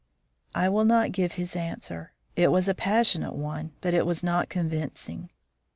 _" I will not give his answer; it was a passionate one, but it was not convincing.